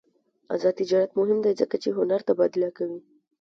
آزاد تجارت مهم دی ځکه چې هنر تبادله کوي.